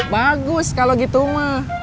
bagus kalau gitu mak